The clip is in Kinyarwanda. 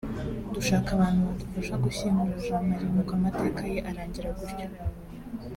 dushaka abantu badufasha gushyingura Jean Marie nuko amateka ye arangira gutyo